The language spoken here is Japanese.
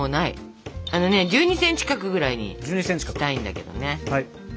１２ｃｍ角ぐらいにしたいんだけどね。